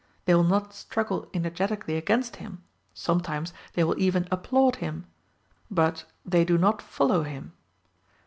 They will not struggle energetically against him, sometimes they will even applaud him but they do not follow him.